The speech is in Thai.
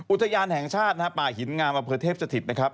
อุทยานแห่งชาติป่าหินงามอำเภอเทพสถิตนะครับ